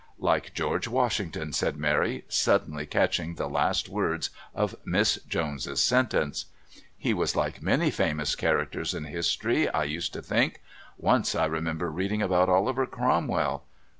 "Like George Washington," said Mary, suddenly catching the last words of Miss Jones's sentence. "He was like many famous characters in history, I used to think. Once I remember reading about Oliver Cromwell...